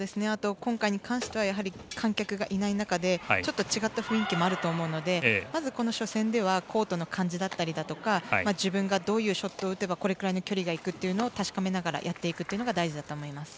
今回に関しては観客がいない中で違った雰囲気もあると思うのでコートの感じだったりとか自分がどういうショットを打てばどのぐらいの距離がいくというのを確かめながらやっていくのが大事だと思います。